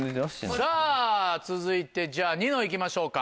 さぁ続いてじゃあニノ行きましょうか。